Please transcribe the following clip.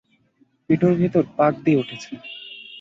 পেটের ভেতর পাক দিয়ে উঠছে।